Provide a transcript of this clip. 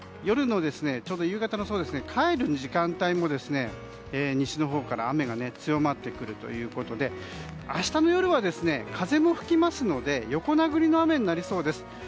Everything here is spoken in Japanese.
夕方の帰る時間帯も西のほうから雨が強まってくるということで明日の夜は風も吹きますので横殴りの雨になりそうです。